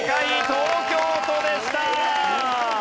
東京都でした。